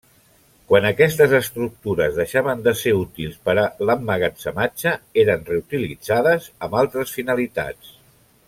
Quan aquestes estructures deixaven de ser útils per a l’emmagatzematge, eren reutilitzades amb altres finalitats.